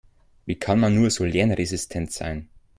Wie kann man nur so lernresistent sein?